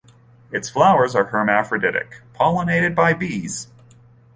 Its flowers are hermaphroditic, pollinated by bees.